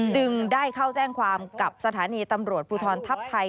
จึงได้เข้าแจ้งความกับสถานีตำรวจภูทรทัพไทย